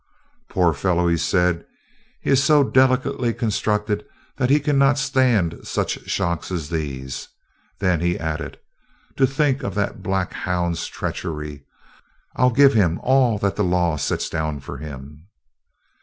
"Poor fellow," he said, "he is so delicately constructed that he cannot stand such shocks as these;" and then he added: "To think of that black hound's treachery! I 'll give him all that the law sets down for him."